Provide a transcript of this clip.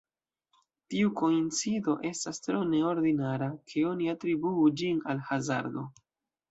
Tiu koincido estas tro neordinara, ke oni atribuu ĝin al hazardo.